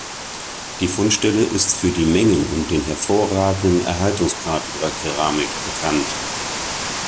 Die Fundstelle ist für die Mengen und den hervorragenden Erhaltungsgrad ihrer Keramik bekannt.